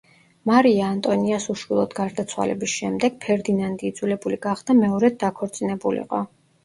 მარია ანტონიას უშვილოდ გარდაცვალების შემდეგ, ფერდინანდი იძულებული გახდა მეორედ დაქორწინებულიყო.